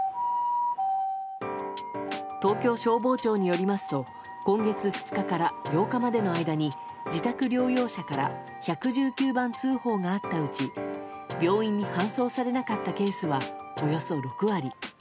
東京消防庁によりますと今月２日から８日までの間に自宅療養者から１１９番通報があったうち病院に搬送されなかったケースがおよそ６割。